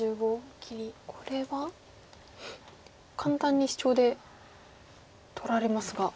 これは簡単にシチョウで取られますが。